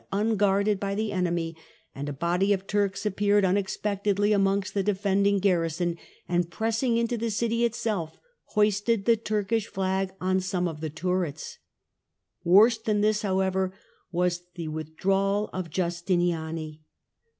Results of the Fall of Constanti nople guarded by the enemy, and a body of Turks appeared unexpectedly amongst the defending garrison, and press ing into the city itself, hoisted the Turkish flag on some of the turrets. Worse than this, however, was the with drawal of Justiniani.